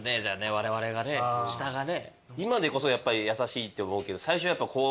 われわれがね下がね。